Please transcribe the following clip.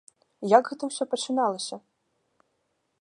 Як гэта ўсё пачыналася?